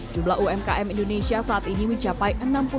jumlah umkm indonesia saat ini mencapai